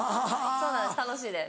そうなんです楽しいです。